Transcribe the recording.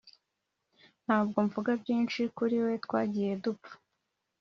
ntabwo mvuga byinshi kuri we twagiye dupfa